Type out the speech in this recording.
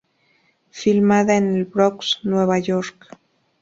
Filmada en el Bronx, Nueva York.